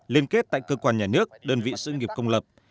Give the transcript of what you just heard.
liên kết tại cơ quan nhà nước đơn vị sự nghiệp công lập